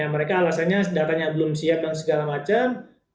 mereka alasannya datanya belum siap dan segala macam